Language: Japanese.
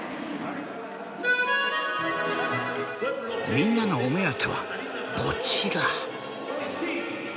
みんなのお目当てはこちら。